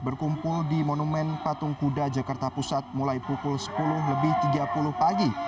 berkumpul di monumen patung kuda jakarta pusat mulai pukul sepuluh lebih tiga puluh pagi